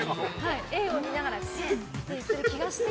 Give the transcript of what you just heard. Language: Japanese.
Ａを見ながらくせえって言ってる気がして。